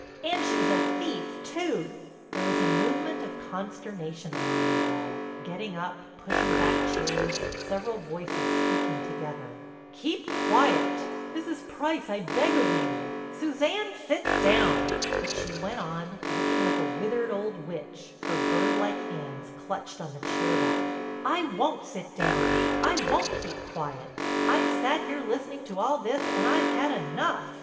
And she's a thief too." There was a movement of consternation among them all—getting up, pushing back chairs, several voices speaking together: "Keep quiet." "Mrs. Price, I beg of you—" "Suzanne, sit down." But she went on, looking like a withered old witch, with her bird like hands clutched on the chair back: "I won't sit down, I won't keep quiet. I've sat here listening to all this and I've had enough.